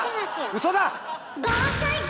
うそだ！